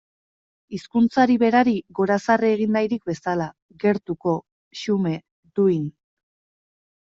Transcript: Hizkuntzari berari gorazarre egin nahirik bezala, gertuko, xume, duin.